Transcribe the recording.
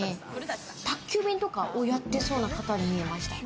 宅急便とかをやってそうな方に見えました。